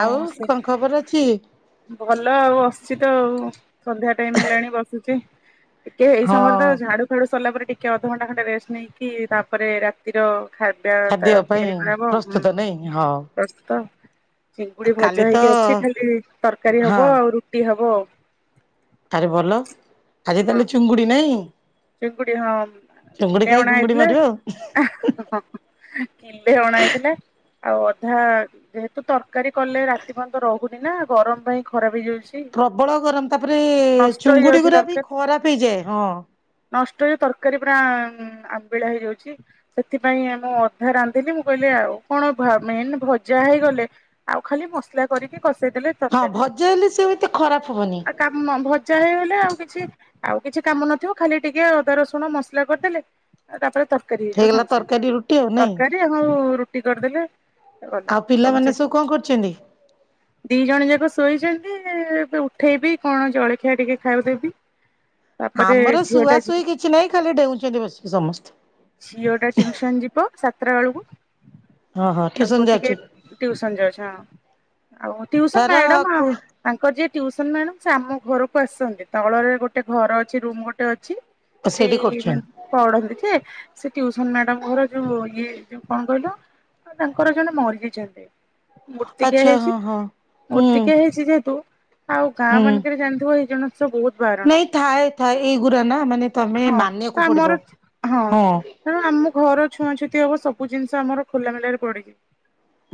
ଆଉ ସେ କଣ ଖବର ଅଛି? ଭଲ ଆଉ ବସୁଛି ତ ଆଉ। ସନ୍ଧ୍ୟା ଟାଇମ୍ ହେଲାଣି ବସୁଛି। ଟିକେ ଏଇ ହଁ ସମୟରେ ତ ଝାଡୁ ଫାଡୁ ସରିଲା ପରେ ଟିକେ ଅଧଘଣ୍ଟା ଘଣ୍ଟା ରେଷ୍ଟ ନେଇକି, ତା'ପରେ ରାତିର ଖା ଖାଦ୍ୟ ପାଇଁ ତ-ତ-ତିଆରି କରାହବ ହୁଁ ପ୍ରସ୍ତୁତ ନାଇଁ ହଁ ପ୍ରସ୍ତୁତ। ଚିଙ୍ଗୁଡି କାଲି ଭଜା ତ ହେଇକି ଅଛି ଖାଲି, ତରକାରୀ ହଁ ହବ ଆଉ, ରୁଟି ହବ ଆଉ। ଆରେ ଭଲ! ଆଜି ତାହେଲେ, ଚୁଙ୍ଗୁଡ଼ି ନାହିଁ। ଗୁଡି ହଁ, କିଲେ ଅଣା ହେଇଥିଲା ଆଉ [unintelligible] କିିଲେ ଅଣା ହେଇଥିଲା। ଆଉ ଅଧା ଯେହେତୁ ତରକାରୀ କଲେ, ରାତି ପନ୍ତ ରହୁନି ନା ଗରମ ପାଇଁ ଖରାପ ହେଇଯାଉଛି। ପ୍ରବଳ ଗରମ! ତା'ପରେ ନଷ୍ଟ ଚୁଙ୍ଗୁଡି ହେଇଯାଉଛି ଗୁୁରା ତରକାରୀ ବି ଖରାପ ହେଇଯାଏ। ହଁ। ନଷ୍ଟ ହେଇ ତରକାରୀ ପୁରା ଆମ୍ବିଳା ହେଇଯାଉଛି। ସେଥିପାଇଁ ମୁଁ ଅଧା ରାନ୍ଧିଲି। ମୁଁ କହିଲି, ଆଉ କଣ ମେନ୍ ଭଜା ହେଇଗଲେ ଆଉ ଖାଲି ମସଲା କରିକି କଷେଇ ଦେଲେ ହଁ ଭଜା ହେଲେ, ସେ ଆଉ ଏତେ ଖରାପ ହବନି। ଆଉ କାମ। ଭଜା ହେଇଗଲେ ଆଉ କିଛି, ଆଉ କିଛି କାମ ନ ଥିବ। ଖାଲି ଟିକେ ଅଦା ରସୁଣ ମସଲା କରିଦେଲେ, ତା ପରେ ତରକାରୀ ହେଇଯିବ ହେଇଗଲା ସାଙ୍ଗେ ସାଙ୍ଗେ। ତରକାରୀ ରୁଟି ଆଉ ନାଇଁ ତରକାରୀ ହଉ ରୁଟି କରିଦେଲେ। ଗଲା ଆଉ ପିଲାମାନେ ସବୁ ସେତିକି। କଣ କରୁଚନ୍ତି? ଦି ଜଣ ଯାକ ଶୋଇଚନ୍ତି। ଏବେ ଉଠେଇବି, କଣ ଜଳଖିଆ ଟିକେ ଖାଇବାକୁ ଦେବି। ତା ପରେ ଆମର ଶୁଆ ଶୁଇ କିଛି ନାହିଁ, ଖାଲି ଡେଉଚନ୍ତି ବସିକି ସମସ୍ତେ। ଝିଅଟା ଟିଉସନ୍ ଯିବ, ସାତଟା ବେଳକୁ। ହଁ ହଁ ଟ୍ୟୁସନ ତାଙ୍କୁ ଟିକେ ଯାଉଛି ଟଉସନ୍ ଯାଉଛି। ହଁ। ତାର କୁ ତାଙ୍କର ଯିଏ ଟ୍ୟୁସନ୍ ମ୍ୟାଡମ୍, ସେ ଆମ ଘରକୁ ଆସନ୍ତି। ତଳରେ ଗୋଟେ ଘର ଅଛି, ରୁମ ଗୋଟେ ଅଛି। ସେଇଠି ସେଇ ମା କରୁଛନ୍ତି ପଢନ୍ତି ଯେ, ସେ ଟ୍ୟୁସନ୍ ମ୍ୟାଡମ ଘର ଯୋଉ ଇଏ ଯୋଉ କଣ କହିଲ? ତାଙ୍କର ଜଣେ ମରିଯାଇଚନ୍ତି। ମୂର୍ତ୍ତିକିଆ ଆଚ୍ଛା ହେଇଛି। ହଁ ହଁ ହୁଁ ମୂର୍ତ୍ତିକିଆ ହେଇଛି ଯେହେତୁ ଆଉ ହୁଁ ଗାଁମାନଙ୍କରେ ଜାଣିଥିବ ଏଇ ଜଣ ତ ସବୁ ନାଇଁ ଥାଏ ଥାଏ। ଏଇଗୁରା ନା ମାନେ ତମେ ହଁ ତ ମାନିଆକୁ ଆମର ପଡିବ। ହଁ। ତେଣୁ ଆମ ଘର ଛୁଆ ଛୁତି ହବ, ସବୁ ଜିନିଷ ଆମର ଖୋଲା ମେଲାରେ ପଡିଛି।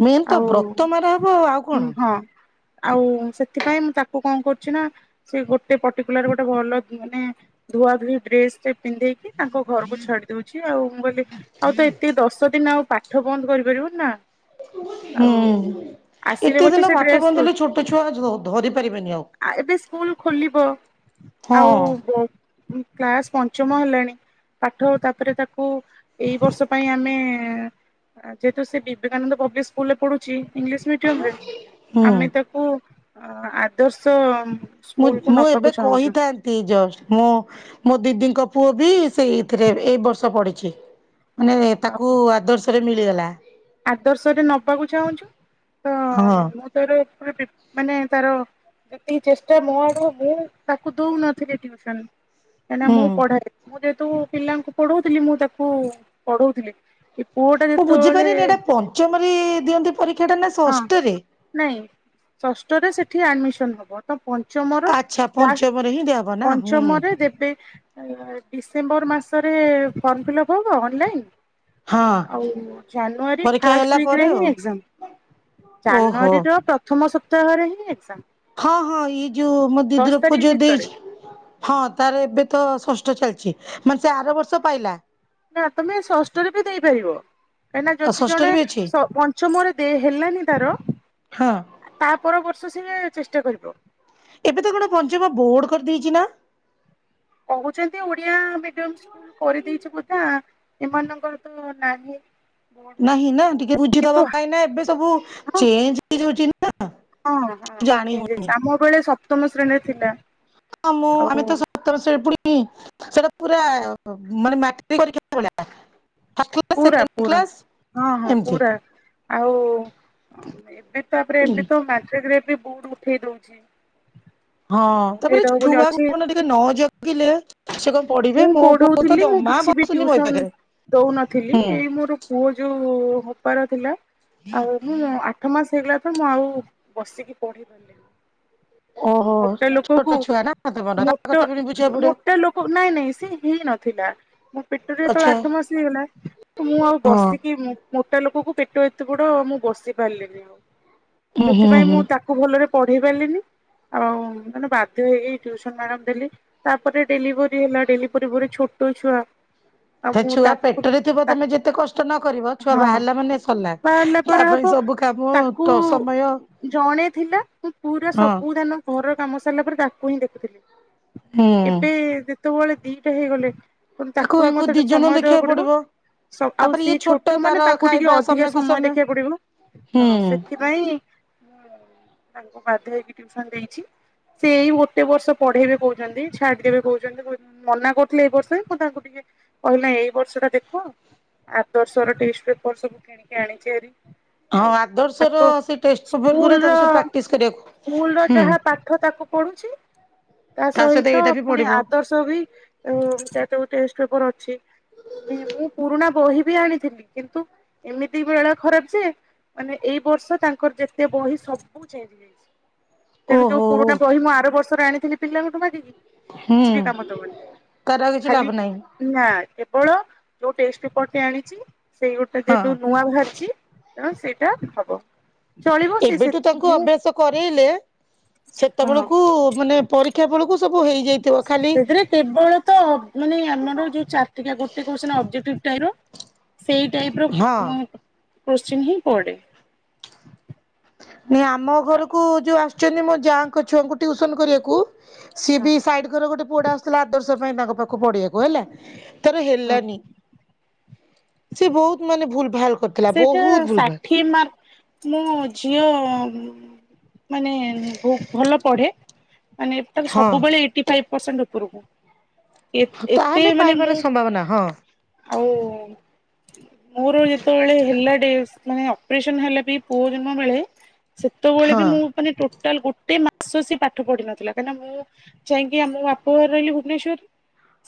ମେନ୍ ତ ଆଉ ବ୍ରତ ମାରା ହବ, ଆଉ କଣ? ହଁ ଆଉ ସେଥିପାଇଁ ମୁଁ ତାକୁ କଣ କରୁଛି ନା। ସେ ଗୋଟେ ପର୍ଟିକୁଲାର ଗୋଟେ ଭଲ ମାନେ ଧୁଆ ଧୁଇ ଡ୍ରେସଟେ ପିନ୍ଧେଇକି ତାଙ୍କ ଘରକୁ ଛାଡି ଦଉଛି ଆଉ। ମୁଁ କହିଲି ଆଉ ଏତେ ଦଶ ଦିନ ଆଉ ପା ଠ ବନ୍ଦ କରି ପାରିବନି ନା। ଆଉ ହୁଁ ଆସିଲେ ଏତେ ପଛେ ଦିନ ସେ ପାଠ ଡ୍ରେସ ବନ୍ଦ ହେଲେ ଛୋଟ ଛୁଆ ଧ-ଧରି ପାରିବେନି ଆଉ। ଏବେ ସ୍କୁଲ୍ ଖୋଲିବ। ଆଉ ହଁ। କ୍ଲାସ୍ ପଞ୍ଚମ ହେଲାଣି। ପାଠ ତା ପରେ ତାକ୍ କୁ ଏଇ ବର୍ଷ ପାଇଁ ଆମେ ଯେହେତୁ ସେ ବିବେକାନନ୍ଦ ପବ୍ଲିକ୍ ସ୍କୁଲରେ ପଢୁଛି ଇଂଲିଶ୍ ମିଡିୟମରେ ହୁଁ ଆମେ ତା କୁ ଆ-ଆଦର୍ଶ ମୁଁ, ସ୍କୁଲ ମୁଁ ଏବେ କହିଥାନ୍ତି। ଜଷ୍ଟ୍। ମୁଁ ମୋ ଦିଦିଙ୍କ ପୁଅ ବି ସେଇଥିରେ ଏଇ ବର୍ଷ ପଢ଼ିଛି। ମାନେ ତାକୁ ଆଉ ଆଦର୍ଶରେ ମିଳିଗଲା। ଆଦର୍ଶରେ ନବାକୁ ଚାହୁଁଛ। ତ, ହଁ ମୁଁ ତାର ପୁରା ଡି-ମାନେ ତାର ଯେତିକି ଚେଷ୍ଟା ମୋ ଆଡୁ ମୁଁ ତାକୁ ଦଉନଥିଲି ଟିଉସନ୍। ନା ନା ହୁଁ। ମୁଁ ପଢାଏ। ମୁଁ ଯେହେତୁ ପିଲାଙ୍କୁ ପଢଉଥିଲି, ମୁଁ ତାକୁ ପଢଉଥିଲି। ଏ ପୁଅଟା ମୁଁ ଯେତେବଳେ ବୁଝିପାରିନି ଏଇଟା ପଞ୍ଚମରେ ଦିଅନ୍ତି ପରୀକ୍ଷାଟା ନା ହଁ ଷଷ୍ଠରେ? ନାଇଁ ଷଷ୍ଠରେ ସେଠି ଆଡମିସନ୍ ହବ। ତ, ପ ପଞ୍ଚମର ଆଚ୍ଛା ଲାଷ୍ଟ, ପଞ୍ଚମରେ ହିଁ ଦିଆହବ ନା ହୁଁ ପଞ୍ଚମରେ ଦେବେ। ଡିସେମ୍ବର ମାସରେ ଫର୍ମ ଫିଲ୍ପ୍ ହବ ଅଲାଇନ୍। ହଁ ଆଉ ଜାନୁଆରୀ ପରୀକ୍ଷା ଫାଷ୍ଟ ହେଲା ୱିକରେ ପରେ ଆଉ। ହିଁ ଏକ୍ଜାମ୍। ଓହୋ ଜାନୁଆରୀର ପ୍ରଥମ ସପ୍ତାହରେ ହିଁ ଏକ୍ଜାମ୍। ହଁ ହଁ ଇଏ ଯୋଉ ମୋ ଦିଦିର ପଅ ଝିଅ ଭିତରେ ଦେଚି। ହଁ ତାର ଏବେ ତ ଷଷ୍ଠ ଚାଲିଚି ମାନେ ସେ ଆର ବର୍ଷ ପାଇଲା। ନା ତମେ ଷଷ୍ଠରେ ବି ଦେଇପାରିବ। କାହିଁନା ଆଉ ଯଦି ଷଷ୍ଠରେ ଜଣେ ବି ଅଛି ସ ପଞ୍ଚମରେ ଦେ ହେଲାନି ତାର। ହଁ ତା ପର ବର୍ଷ ସିଏ ଚେଷ୍ଟା କରିବ। ଏବେ ତ କଣ ପଞ୍ଚମ ବୋର୍ଡ କରିଦେଇଚି ନା? କହୁଚନ୍ତି ଓଡିଆ ମିଡିୟମ ସ୍କୁଲ କରିଦେଇଚି ବେଧେ ଆଁ ଏମାନଙ୍କର ତ ନାହିଁ। ବୋର୍ଡ ନାହିଁ ନା ଟିକେ ବୁଝିଦବ କିନ୍ତୁ ହଁ କାଇଁ ନା ଏବେ ସବୁ ଚେଞ୍ଜ ହେଇଯାଉଛି। ହଁ ହଁ ଜାଣି ଚେଞ୍ଜ ହଉନି ହେଇଚି ଆମ ବେଳେ ସପ୍ତମ ଶ୍ରେଣୀରେ ଥିଲା। ହୁଁ ମୁଁ ଆମେ ଆଉ ତ ସ [inaudible] ପୁରା ପୁରା ହଁ ହଁ ପୁରା। ଆଉ ଏବେ ତାପରେ ଏବେ ତ ମାଟ୍ରିକ ରେ ଏ ବୁଡୁ ଉଠେଇ ଦଉଛି। ହଁ ତାପରେ ଉଠେଇଦବ ବୋଲି ଛୁଆ ଅଛି କୁ ଟିକେ ନ ଜଗିଲେ ସେ କଣ ପଢିବେ ମୁଁ ମୋ ପୁଅ ତ ପଢଉଥିଲି ମୁଁ ଜମା କିଛି ବି ବସୁନି ବହି ଟିଉସନ ପାଖରେ ଦଉନଥିଲି ହୁଁ ଏଇ ମୋର ପୁଅ ଯୋଉ ହବାର ଥିଲା ଆଉ ଏଇଢେ ଆ ଆଠ ମାସ ହେଇଗଲା ତ ମୁଁ ଆଉ ବସିକି ପଢ଼େଇ ପାରିଲିନି। ଓହୋ ମୋଟା ଲୋକ ଛୋଟ କୁ ଛୁଆ ନା ତମର ତା ମୋଟ କଥା ପୁଣି ବୁଝିବାକୁ ପଡିବ ମୋଟା ଲୋକ। ନାଇଁ ନାଇଁ ସେ ହେଇ ନଥିଲା। ମୋ ପେଟରେ ଯେତେବେଳେ ଆଚ୍ଛା ଆଠ ମାସ ହେଇଗଲା ମୁଁ ଆଉ ହଁ ବସିକି। ମୋଟା ଲୋକକୁ ପେଟ ଏତେ ବଡ ମୁଁ ବସି ପାରିଲିିନି ଆଉ ହୁଁ ହୁଁ ସେଥିପାଇଁ ହୁଁ ମୁଁ ତା ତାକୁ ଭଲରେ ପଢେଇ ପାରିଲିନି। ଆଉ ମାନେ ବାଧ୍ୟ ହେଇକି ଟିଉସନ୍ ମ୍ୟାଡାମ ଦେଲି ତାପରେ ଡେଲିଭ ରି ହେଲା ଡେଲିି ପରେ ପରେ ଛୋଟ ଛୁଆ। ଆଉ ଏ ମୁଁ ଛୁଆ ତାକୁ ପେଟରେ ଥିବ ତା ତମେ ଯେତେ କଷ୍ଟ ନ କରିବ ଛୁଆ ହଁ ବାହାରିଲା ମାନେ ସଲା। ବାହାରିଲା ତା ପରେ ହବ ପାଇଁ ସବୁ କାମ ତାକୁ ତ ସମୟ। ଜଣେ ଥିଲା ମୁଁ ପୁରା ହଁ ସବୁ ଧ୍ୟାନ ଘରର କାମ ସାରିଲା ପରେ ତାକୁ ହିଁ ହୁଁ ଦେଖୁଥିଲି। ଏବେ ଯେତେବେଳେ ଦିଟା ହେଇଗଲେ। ତ ତାକୁ ହିଁ ଆକୁ ମତେ ଦି ଟେ ଜଣଙ୍କୁ ସମୟ ଦବା ଦେଖିବାକୁ ପଡିବ। ସ ଆଉ ତାପରେ ଇଏ ସେ ଛୋଟ ତାର ମାନେ ତାଙ୍କୁ ଟିକେ ଖାଇବା ଅଧିକା ସମୟକୁ ସମୟ ଦେଖିବାକୁ ପଡିବ। ହୁଁ। ପାଇଁ ମୁଁ ତାଙ୍କୁ ବାଧ୍ୟ ହେଇକି ଟିଉସନ୍ ଦେଇଛି। ସେ ଏଇ ଗୋଟେ ବର୍ଷ ପଢେଇବେ କହୁଚନ୍ତି ଛାଡିଦେବେ କହୁଚନ୍ତି କ ମନା କରୁଥିଲେ ଏଇ ବର୍ଷ ମୁଁ ତାଙ୍କୁ ଟିକେ କହିଲେ ଏଇ ବର୍ଷ ଟା ଦେଖ। ଆଦର୍ଶ ର ଟିଷ୍ଟ ପେପର ସବୁ କିଣିକି ଆଣିଚି ଆରି। ହଁ ଆଦର୍ଶ ର ସେ ଟେଷ୍ଟ ପେପ୍ରର ଗୁରା ସ୍କୁଲ ର ତାକୁ ସବୁ ପ୍ରାକ୍ଟିସ୍ ସ୍କୁଲ ର କରିବାକୁୁ ହୁଁ। ଯାହା ପାଠ ତାକୁ ପଢୁଛି ତା ସହିତ ଏଇଟା ବି ପୁଣି ପଡିବ ଆଦର୍ଶ ସବି ଉଁ ତାର ଯୋଉ ଟେଷ୍ଟ ପେପର ଅଛି। ମୁଁ ପୁରୁଣା ବହି ବି ଆଣିଥିଲି କିନ୍ତୁ। ଏମିତି ବେଳା ଖରାପ ଯେ ମାନେ ଏଇ ବର୍ଷ ତାଙ୍କର ଯେତେ ବହି ସବୁ ଚେଞ୍ଜ ହେଇଯା ତେଣୁ ଯୋଉ ଓହୋ ପୁରୁଣା ବହି ମୁଁ ଆର ବର୍ଷରେ ଆଣିଥିଲି ପିଲାଙ୍କଠୁ ମାଗିକି। ହୁଁ। କିଛି ବି କାମ ତାର ଆଉ କିଛି ଲାଭ ଖାଲି ନାହିଁ ନା କେବଳ ଯଉ ଟେଷ୍ଟ ପେପରଟି ଆଣିଚି। ସେଇ ଗୋଟେ ହଁ ଯେହେତୁ ନୂଆ ବାହାରିଛି ତେଣୁ ସେଇଟା ହବ। ଚଳିବ ସେ ଏବେଠୁ ତାଙ୍କୁ ସେଥିରେ ଅଭ୍ୟାସ କରେଇଲେ ସେତେବେଳକୁ ମାନେ ପରୀକ୍ଷା ବେଳକୁ ସବୁ ହେଇଯାଇଥିବ ଖାଲି ସେଥିରେ କେବଳ ତ ମାନେ ଆମର ଯୋଉ ଚାରିଟିକିଆ ଗୋଟେ କୋଶ୍ଚିନି ଅବଜେଟିକ୍ ଟାଇପ୍ ର ସେଇ ଟାଇପ୍ ର ହଁ କୋଶ୍ଚିନ୍ ହିଁ ପଡେ। ନାଇଁ ଆମ ଘରକୁ ଯୋଉ ଆସୁଛନ୍ତି ମୋ ଯାଙ୍କ ଛୁଆଙ୍କୁ ଟ୍ଯୂଉସନ୍ କରିବାକୁ ସିଏ ବି ସାଇଡ ଘର ଗୋଟେ ପୁଅ ଟା ଆସୁଥିଲା ଆଦର୍ଶ ପାଇଁ ତାଙ୍କ ପାଖକୁ ପଢିଆକୁ ହେଲା। ତାର ହେଲାନି ସେ ବହୁତ୍ ମାନେ ଭୁଲ ଭାଲ କରିଥିଲା ସେଇଟା ବହୁତ ଭୁଲ ଭାଲ ଷାଠିଏ ମାର୍କ ମୋ ଝିଅ ମାନେ ବହୁତ୍ ଭଲ ପଢେ ମାନେ ତାର ସବୁବେଳେ ଏଇଟିଫାଇପି ପ୍ରସେଣ୍ଟ ଉପରୁକୁ ହଁ ଏତେ ତାହେଲେ ମାନେ ପାଇବାର ମୁଁ ସମ୍ଭାବନା ହଁ ଆଉ ମୁଁ ଯେତେବେଳେ ହେଲା ଡେ ମାନେ ଅପରେସନ ହେଲା ବି ପୁଅ ଜନ୍ମ ବେଳେ ସେତେବେଳେ ବି ହଁ ମୁଁ ମାନେ ଟୋ ଟୋଟାଲ ଗୋଟେ ମାସ ସିଏ ପାଠ ପଢିନଥିଲା କାହିଁକିନା ମୁଁ ଯାଇକି ଆମ ବାପାଘରେ ରହିଲି ଭୁବନେଶ୍ୱର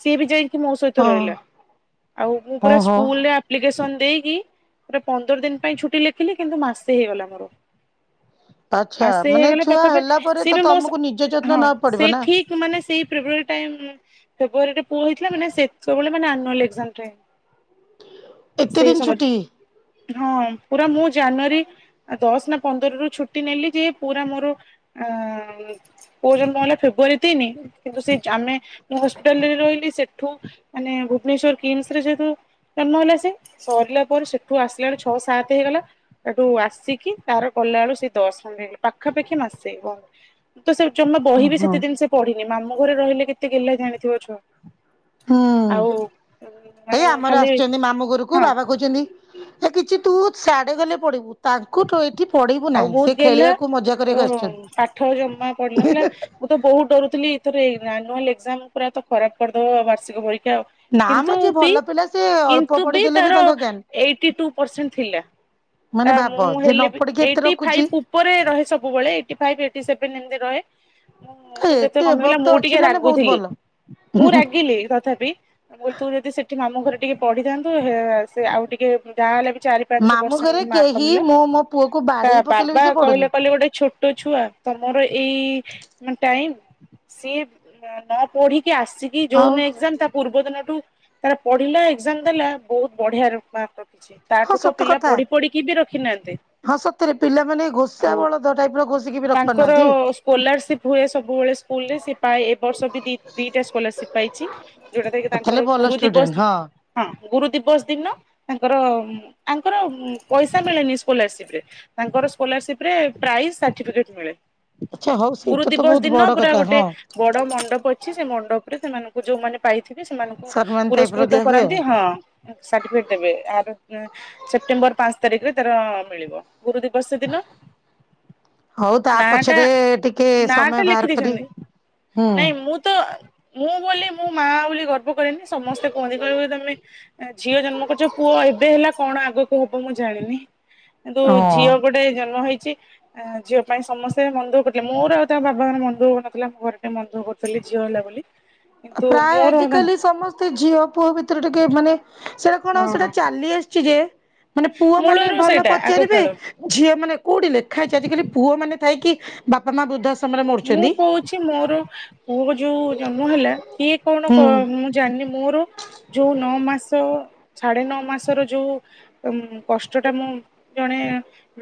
ସିଏ ବି ଯାଇକି ମୋ ସହିତ ହଁ ରହିଲା ଆଉ ମୁଁ ପୁରା ଓହୋ ସ୍କୁଲରେ ଆପ୍ଲିକେସନ୍ ଦେଇକି ପୁରା ପନ୍ଦର ଦିନି ପାଇଁ ଛୁଟି ଲେଖିଲି କିନ୍ତୁ ମାସେ ହେଇଗଲା ମୋର। ଆଚ୍ଛା ମାସେ ମାନେ ହେଇଗଲେ ଛୁଆ ହେଲା ପାଖାପାଖି ପରେ ସିଏ ତ ବି ମୋ ତମକୁ ନିଜ ସହ ଯତ୍ନ ହଁ ନେବାକୁ ପଡିବ ନା। ସେଇଠି ମାନେ ସେଇ ଫେବୃଆରୀ ଟାଇମ୍ ଫେବୃୟାରୀ ରେ ପୁଅ ହେଇଥିଲା ମାନେ ସେ ସେତେବେଳେ ମାନେ ଆନୁଆଲ ଏକ୍ଜାମ୍ ଟାଇମ୍ ଏତେ ଦିନି ଛୁଟି। ହଁ ପୁରା ମୁଁ ଜାନୁଆରୀ ଦଶ ନା ପନ୍ଦର ରୁ ଛୁଟି ନେଲି ଯେ ପୁରା ମୋର ଆ ପୁଅ ଜନ୍ମ ହେଲା ଫେବୃଆାରୀ ତିନି କିନ୍ତୁ ସେ ଆମେ ହସ୍ପିଟାଲରେ ରହିଲି ସେଠୁ ମାନେ ଭୁବନେଶ୍ଵର କିମିସ୍ ରେ ଯେହେତୁ ଜନ୍ମ ହେଲା ସେ ସରିଲା ପରେ ସେ ଠୁ ଆସିଲାରେ ଛଅ ସାତ ହେଇଗଲା। ସେଠୁ ଆସିକି ତାର ଗଲାବେଳକୁ ସେ ଦଶ ଖଣ୍ଡେ ହେଲା ପାଖାପାଖି ମାସେ ବ ତ ସେ ଜମା ବହି ବି ଓହୋ। ସେତେ ଦିନି ସେ ପଢିନି ମାମୁଁ ଘରେ ରହିଲେ କେତେ ଗେହ୍ଲା ଜାଣିଥିବ ଛୁଆ। ହୁଁ ଆଉ ଏଇ ମାନେ ଆମର ଖାଲି ଆସିଛନ୍ତି ମାମୁଁ ଘରୁକୁ ହଁ ବାବା କହୁଛନ୍ତି ଏ କିଛି ତୁ ସାଡେ ଗଲେ ପଢ଼ିବୁ ତାଙ୍କୁ ତୁ ଏଇ ଆଉ ବହୁତ୍ ଗେହ୍ଲା ତ ଆସିଛନ୍ତି। ପାଠ ଜମା ପଢି ନଥିଲା। ମୁଁ ତ ବହୁତ୍ ଡରୁଥିଲି ଏଥରେ ଆନୁଆଲ ଏକ୍ଜାମ ପୁରା ତ ଖରାପ କରିଦବ ବାର୍ଷିକ ପରୀକ୍ଷା ଆଉ। ନା ମ କିନ୍ତୁ ଯିଏ ବି ଭଲ ପିଲା ସେ ଅଳ୍ପ କିନ୍ତୁ ବି ପଢିଦେଲେ ତାର ତାଙ୍କ ଜ୍ଞାନ ଏଇଟି ଟୁ ପରର୍ସେଣ୍ଟ୍ ଥିଲା। ତା ମାନେ ଭାବ ମୁଁ ଯେ ନ ହେଲେ ବି ପଢିକି ଏତେ ଏଇଟି ରଖୁଛି। ଫାଇପ୍ ଉପରେ ରହେ ସବୁବେଳେ ଏଇଟି ଫାଇପ୍ ଏଇଟି ସେଭେନ୍ ଏମିତି ରହେ। କିନ୍ତୁ ଏତେ ଏଠି କମିଗଲା ଏଭକ୍ତ ମୁଁ ଅଛି ଟିକେ ମାନେ ବହୁତ ରାଗୁଥିଲି ଭଲ। ମୁଁ ରାଗିଲି ତଥାପି ମୁଁ କହିଲି ତୁ ଯଦି ସେଠି ମାମୁଁ ଘରେ ଟିକେ ପଢିଥାନ୍ତୁ ସେ ଆଉ ଟିକେ ଯାହାହେଲା ବି ଚାରି ପାଞ୍ଚ ମାମୁଁ ପର୍ସ ଘରେ ମାର୍କ କେହି କମିଲା ମୁଁ ମୋ ପୁଅକୁ ତା ବାଡେଇ ପକେଇଲେ ବି ବାବା ସେ କହିଲେ ପଡୁନି। କହିଲେ ଗୋଟେ ଛୋଟ ଛୋଟ ଛୁଆ ତମର ଏଇ ଟାଇମ୍ ସିଏ ନ ପୋଢିକି ଆସେ କି ଯୋଉ ଆଉ ଦିନ ଏକ୍ଜାମ୍ ତା ପୂର୍ବ ଦିନଠୁ ତାର ପଢିଲା ଏକ୍ଜାମ୍ ଦେଲା ବହୁତ୍ ବଢିଆ ମାର୍କ ହଁ ତାଠୁ ତ ସତ ପିଲା କଥା। ପଢି ପଢିକି ବି ରଖିନାହାଁନ୍ତି। ହଁ ସତରେ ପିଲାମାନେ ଘୋଷା ଆଉ ବଳଦ ଟାଇପ ର ଘୋଷିକି ବି ତାଙ୍କର ରଖିପାରୁନାହାନ୍ତି। ସ୍କୋଲାରସିପ୍ ହୁଏ ସବୁବେଳେ ସ୍କୁଲ ରେ ସିଏ ପାଏ ବର୍ଷ ବି ଦିଟା ସ୍କୋଲାରସିପ୍ ପାଇଛି ଯୋଉଟାକି ତାହେଲେ ତାଙ୍କର ଭଲ ଗୁରୁ ଦିବସ ଷ୍ଟୁଡେଣ୍ଟ ହଁ ହଁ ଗୁରୁ ଦିବସ ଦିନ ତାଙ୍କର ପଇସା ମିଳେନି ସ୍କୋଲାରସିପ୍ ତାଙ୍କର ସ୍କୋଲାରସିପ୍ ପ୍ରାଇଜ୍ ସାର୍ଟିଫିକେଟ ମିଲେ। ଆଚ୍ଛା ହଉ ଗୁରୁ ସେଇଟା ତ ଦିବସ ବହୁତ ଦିନ ବଡ ପୁରା କଥା ଗୋଟେ ହଁ। ବଡ ମଣ୍ଡପ ଅଛି ସେ ମଣ୍ଡପରେ ସେମାନଙ୍କୁ ଯୋଉମାନେ ପାଇଥିବେ, ସେମାନଙ୍କୁ ସମ୍ମାନ ଟାଇପ ର ପୁରସ୍କୃତ ଦିଆ ହୁଏ କରାନ୍ତି, ଆଉ। ହଁ ସାଟିଫିକେଟ ଦେବେ, ଆର ସେପ୍ଟେମ୍ବର ପାଞ୍ଚ ତାରିଖରେ ତାର ମିଳିବ। ଗୁରୁ ଦିବସ ଦିନ ହଉ ତା ନାଟା, ପଛରେ ଟିକେ ସମୟ ନାଟା ବାହାର ଲେଖି କରି ଦେଇଛନ୍ତି। ହୁଁ ନାଇଁ ମୁଁ ତ, ମୁଁ ବୋଲି, ମୁଁ ମା ବୋଲି ଗର୍ବ କରେନି, ସମସ୍ତେ କୁହନ୍ତି, କହିବେ ତମେ ଝିଅ ଜନ୍ମ କରିଚ, ପୁଅ ଏବେ ହେଲା, କଣ ଆଗକୁ ହବ ମୁଁ ଜାଣିନି? କିନ୍ତୁ ହଁ। ଝିଅ ଗୋଟେ ଜନ୍ମ ହେଇଚି ଝିଅ ପାଇଁ ସମସ୍ତେ ମନଦୁଃଖ କରୁଥିଲେ, ମୋର ଆଉ ତାଙ୍କ ବାବାଙ୍କର ମନଦୁଃଖ ହଉନଥିଲା, ମୁଁ ଘରେ ଟିକେ ମନଦୁଃଖ କରୁଥିଲେ ଝିଅ ହେଲା ବୋଲି। [unintelligible] ପ୍ରାୟ ମୋର ହଁ ଆଜିକାଲି ସମସ୍ତେ ସମସ୍ତେ ଝିଅ ପୁଅ ଭିତରେ ଟିକେ ମାନେ, ସେଇଟା କଣ, ସେଟା ଚାଲି ଆସିଛି ଯେ ମାନେ ପୁଅ ମାନେ ମୂଳରୁ ଭଲ ସେଇଟା ଆଗ ପଚାରିବେ, କାଳରୁ ଝିଅ ମାନେ, କୋଉଠି ଲେଖା ହେଇଚି, ଆଜିକାଲି ପୁଅ ମାନେ ଥାଇକି ବାପା ମା ବୃଦ୍ଧାଶ୍ରମ ରେ ମରୁୁଚନ୍ତି। ହଉଛି ମୋର ପୁଅ ଯୋଉ ଜନ୍ମ ହେଲା, କିଏ କଣ ହୁଁ ମୁଁ ଜାଣିନି ମୋର ଯୋଉ ନଅ ମାସ, ସାଢେ ନଅ ମାସର ଯୋଉ କଷ୍ଟ ଟା ମୁଁ, ଜଣେ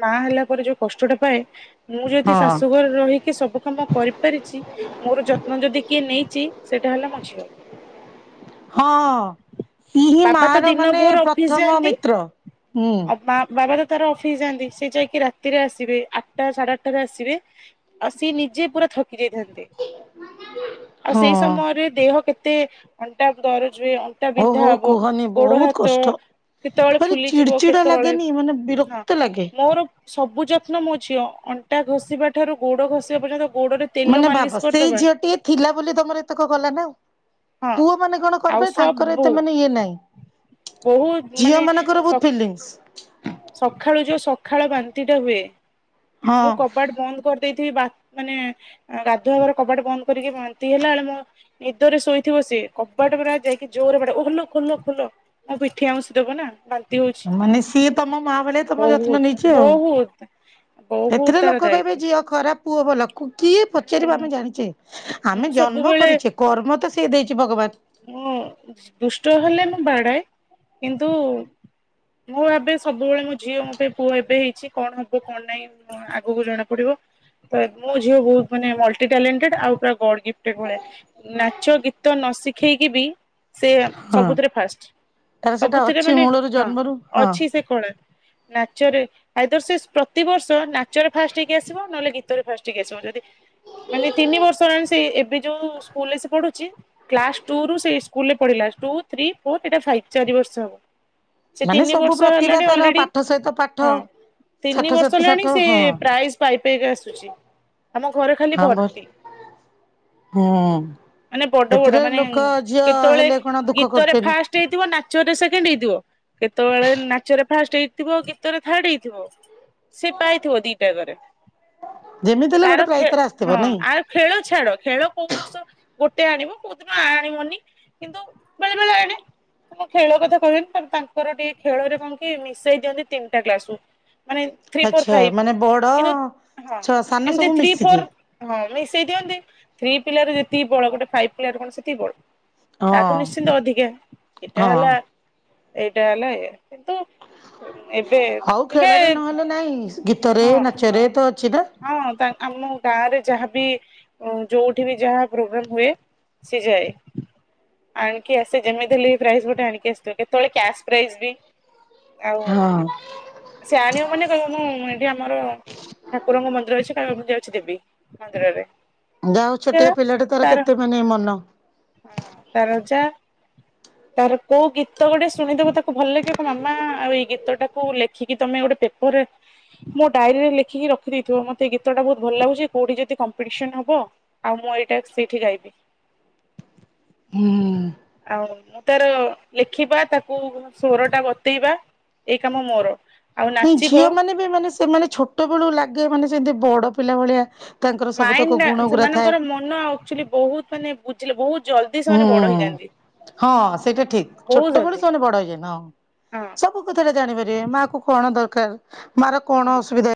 ମା ହେଲା ପରେ ଯୋଉ କଷ୍ଟଟା ପାଏ ମୁଁ ଯଦି ହଁ। ଶାଶୁଘରେ ରହିକି ସବୁ କରିପାରିଚି, ମୋର ଯତ୍ନ ଯଦି କିଏ ନେଇଚି, ସେଇଟା ହେଲା ମୋ ଝିଅ। ହଁ, ସିଏ ହି ମା ବାବା ତ ର ଦିନ ମାନେ ଭୋର ଅଫିସ ପ୍ରଥମ ଯାଆନ୍ତି। ମିତ୍ର। ହୁଁ। ଆଉ ମା ବାବାର ତାର ଅଫିସ ଯାଆନ୍ତି, ସେ ଯାଇକି ରାତିରେ ଆସିବେ, ଆଠଟା ସାଢେ ଆଠଟାରେ ଆସିବେ ଆ ସିଏ ନିଜେ ପୁରା ଥକି ଥକି ଯାଇଥାନ୍ତି, ଆଉ ହଁ ସେଇ ସମୟରେ ଦେହ କେତେ ଅଣ୍ଟା ଦରଜ ହୁଏ, ଅଣ୍ଟା ହଉ ବିନ୍ଧା ହଉ ହବ, କୁହନି ଗୋଡ ବହୁତ ହାତ କଷ୍ଟ। କେତେବେଳେ ଭାରି ଚିଡ ଫୁଲିଯିବ, ଚିଡା କେତେବେଳେ, ଲାଗେନି ମାନେ ହଁ ବିରକ୍ତ ଲାଗେ। ମୋର ସବୁ ଯତ୍ନ ମୋ ଝିଅ, ଅଣ୍ଟା ଘଷିବା ଠାରୁ ଗୋଡ ଘଷିବା ପର୍ଯ୍ୟନ୍ତ, ଗୋଡରେ ତେଲ ମାନେ ମାଲିସ ଭାବ, ସେଇ କରିଦବା ଝିଅଟିଏ ଥିଲା ବୋଲି ତମର ଏତକ କଲା ନା ଆଉ? ହଁ ପୁଅ ମାନେ କଣ ଆଉ କରିପାରେ, ତାଙ୍କର ସବୁ ଏତେ ମାନେ ଇଏ ନାହିଁ। ବହୁତ ଝିଅ ମାନଙ୍କର ବହୁତ ଫିଲିଙ୍ଗସ୍। ସକାଳୁ ଯୋଉ ସକାଳୁ ବାନ୍ତି ଟା ହୁଏ, ହଁ ମୁଁ କବାଟ ବନ୍ଦ କରି ଦେଇଥିବି, ମାନେ ଗାଧୁଆଘର କବାଟ ବନ୍ଦ କରିକି ବାନ୍ତି ହେଲା ବେଳେ, ମୋ ନିଦରେ ଶୋଇଥିବ ସେ, କବାଟ ପୁରା ଯାଇକି ଜୋରରେ ବାଡେଇବ, ଖୋଲ ଖୋଲ ଖୋଲ ମୋ ପିଠି ଆଉଁସି ଦବ ନା? ବାନ୍ତି ହଉଛି ମାନେ ସିଏ ତମ ମା ଭଳିଆ ତମ ଯତ୍ନ ବହୁତ ନେଇଚି ଆଉ। ବହୁତ ବହୁତ ଏଥିରେ ତାର ଲୋକ କହିବେ ଦାୟିତ୍ଵ ଝିଅ ଖରାପ, ପୁଅ ଭଲ, କିଏ ତେଣୁ ପଚାରିବ ଆମେ ଜାଣିଚେ? ମୁଁ ଆମେ ଜନ୍ମ ସବୁବେଳେ କରିଚେ, କର୍ମ ତ ସିଏ ଦେଇଚି, ଭଗବାନ। ମୁଁ, ଦୁଷ୍ଟ ହେଲେ ମୁଁ ବାଡାଏ, କିନ୍ତୁ ମୁଁ ଭାବେ ସବୁବେଳେ ମୋ ଝିଅ ମୋ ପାଇଁ, ପୁଅ ଏବେ ହେଇଚି, କଣ ହବ କଣ ନାହିଁ ଆଗକୁ ଜଣା ପଡିବ, ତ ମୋ ଝିଅ ବହୁତ ମାନେ ମଲଟିଟ୍ୟଲେଣ୍ଟେଡ ଆଉ ପୁରା ଗଡ଼ ଗି ଗୋଟେ ଭଳିଆ, ନାଚ ଗୀତ ନ ଶିଖେଇକି ବି ସେ ହଁ। ସବୁଥିରେ ଫାଷ୍ଟ, ତାର ସେଟା ସବୁଥିରେ ଅଛି ମାନେ, ମୂଳରୁ ହଁ ଜନ୍ମରୁ ହଁ ଅଛି ସେ କଳା। ନାଚରେ ଆାଇଦର ସେ ପ୍ରତିବର୍ଷ ନାଚରେ ଫାଷ୍ଟ ହେଇକି ଆସିବ, ନହେଲେ ଗୀତରେ ଫାଷ୍ଟ ହେଇକି ଆସିବ, ଯଦି ମାନେ ତିନି ବର୍ଷ ହେଲାଣି, ସେ ଏବେ ଯୋଉ ସ୍କୁଲରେ ସେ ପଢୁଚି, କ୍ଲାସ ଟୁ ରୁ ସେ ସ୍କୁଲ ରେ ପଢିଲା ଟୁ ଥ୍ରୀ ଫୋର ଏଇଟା ଫାଇଭ ଚାରି ବର୍ଷ ହବ। ସେ ମାନେ ତିନି ସବୁ ବର୍ଷ ପ୍ରତିଭା ହେଲାଣି ତାର ଅଲରେଡି ପାଠ ସହିତ ପାଠ ହଁ ଷାଠ ତିନି ବର୍ଷ ସହିତ ଷାଠ ହେଲାଣି ସେ ହଁ ପ୍ରାଇସ୍ ପାଇ ପାଇକି ଆସୁଛି। ଆମ ଘରେ ଖାଲି ହଁ ବ ଭର୍ତି ହୁଁ ମାନେ ବଡ ଏଥିରେ ବଡ ମାନେ ଲୋକ ଉଁ ଝିଅ କେତେବେଳେ ହେଲେ କଣ ଦୁଃଖ ଗୀତରେ କରୁଛନ୍ତି ଫାଷ୍ଟ ହେଇଥିବ ନାଚରେ ସେକେଣ୍ଡ ହେଇଥିବ। କେତେବେଳେ ନାଚରେ ଫାଷ୍ଟ ହେଇଥିବ ଗୀତ ରେ ଥାର୍ଡ ହେଇଥିବ। ସେ ପାଇଥିବ ଦିଟାଗରେ ଯେମିତି ହେଲେ ଗୋଟେ ତାର ପ୍ରାଇଜ ଖେ ଆସିଥିବ ହଁ ନାଇଁ ଆ ଖେଳ ଛାଡ ଖେଳ କୋଉ ବର୍ଷ ଗୋଟେ ଆଣିବ କୋଉ ଦିନ ଆଣିବନି କିନ୍ତୁ ବେଳେ ବେଳେ ଆଣେ। ମୁଁ ଖେଳ କଥା କହିବିନି ତାଙ୍କର ଟିକେ ଖେଳରେ କଣ କି ମିଶେଇ ଦିଅନ୍ତି ତିନିଟା କ୍ଲାସ କୁ। ମାନେ ଥ୍ରୀ ଫୋର୍ ଆଚ୍ଛା ଫାଇପ୍ ମାନେ ବଡ କିନ୍ତୁ ହଁ ଛ ସାନ ଏମତି ସବୁ ଥ୍ରୀ ମିଶିକି ଫୋର୍ ହଁ ମିଶେଇ ଦିଅନ୍ତି ଥ୍ରୀ ପିଲାର ଯେତିକି ବଳ ଗୋଟେ ଫାଇଫ୍ ପିଲାର କଣ ସେତିକି ବଳ? ହଁ ତାଠୁ ନିଶ୍ଚିନ୍ତ ଅଧିକା ଏଟା ହଁ ହେଲା ଏଇଟା ହେଲା ଏୟା କିନ୍ତୁ ଏବେ ହଉ ଟିକେ ଖେଳରେ ନହେଲେ ନାଇଁ ଗୀତରେ ହଁ ନାଚରେ ତ ଅଛି ନା ହଁ ତା ଆମ ଗାଁରେ ଯାହାବି ଯୋଉଠି ବି ଯାହା ପ୍ରୋଗ୍ରମ୍ ହୁଏ ସିଏ ଯାଏ। ଆଣିକି ଆସେ ଯେମିତି ହେଲେ ବି ପ୍ରାଇଜ୍ ଗୋଟେ ଆଣିକି ଆସିଥିବ କେତେବେଳେ କ୍ୟାଶ୍ ପ୍ରାଇଜ ବି ଆଉ ହଁ ସେ ଆଣିବ ମାନେ କହିବ ମୁଁ ଏଠି ଆମର ଠାକୁରଙ୍କ ମନ୍ଦିର ଅଛି ତାଙ୍କୁ ଯାଉଛି ଦେବୀ ମନ୍ଦିରରେ। ଯାହାହଉ ଛୋଟିଆ ପିଲାଟା ତାର କେତେ ମାନେ ମନ। ତାର ଅଜା ତାର କୋଉ ଗୀତ ଗୋଟେ ଶୁଣିଦବ ତାକୁ ଭଲ ଲାଗେ କହିବ ମାମା ଆଉ ଏଇ ଗୀତଟାକୁ ଲେଖିକି ତମେ ଗୋଟେ ପେପରେ ମୋ ଡାଏରୀରେ ଲେଖିକି ରଖିଦେଇଥିବ ମତେ ଗୀତଟା ବହୁତ୍ ଭଲ୍ ଲାଗୁଛି କୋଉଠି ଯଦି କମ୍ପିଡ଼ିସନ୍ ହବ ଆଉ ମୁଁ ଏଇଟା ସେଇଠି ଗାଇବି। ହୁଁ। ଆଉ ମୁଁ ତାର ଲେଖିବା ତାକୁ ସ୍ୱର ଟା ବତେଇବା ଏଇ କାମ ମୋର। ଆଉ ଏଇ ନାଚିବ ଝିଅ ମାନେ ବି ମାନେ ସେମାନେ ଛୋଟ ବେଳୁ ଲାଗିବେ ମାନେ ସେମିତି ବଡ ପିଲା ଭଳିଆ ତାଙ୍କର ସବୁତକ ଗୁଣ ଗୁୁରା ଥାଏ। ନା ଆଚୁଲି ବହୁତ୍ ମାନେ ବୁଝିଲେ ବହୁତ୍ ଜଲଦି ସେମାନେ ହୁଁ ବଡ ହେଇଯାନ୍ତି। ହଁ ସେଇଟା ଠିକ୍ ବହୁତ ଛୋଟବେଳୁ ଜଲଦି ସେମାନେ ବଡ ହେଇଯାଆନ୍ତି ହଁ ହଁ ସ କଉ କଥା ଟା ଜାଣି ପାରିବେ ମା କୁ କଣ ଦରକାର ମା ର ହଁ। କଣ ଅସୁବିଧା ହେ